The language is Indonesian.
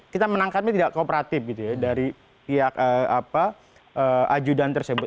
kita menangkapnya tidak kooperatif dari pihak ajudan tersebut